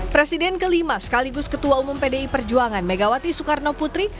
presiden kelima sekaligus ketua umum pd perjuangan megawati soekarnoputri